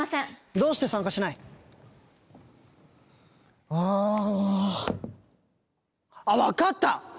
どうして参加しない？ハァ。あっ分かった！